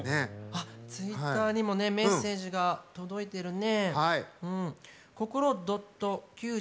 ツイッターにもメッセージが届いてるね。